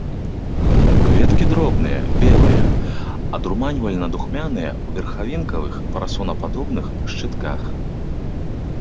Кветкі дробныя, белыя, адурманьвальна-духмяныя, у верхавінкавых парасонападобных шчытках.